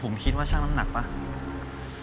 ผมคิดว่าช่างน้ำหนักป่ะ